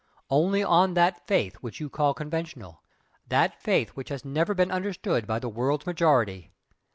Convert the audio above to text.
Only on that faith which you call 'conventional' that faith which has never been understood by the world's majority!